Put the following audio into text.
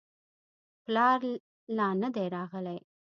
پلار لا نه دی راغلی.